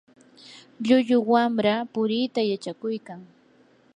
llullu wamra puriita yachakuykan.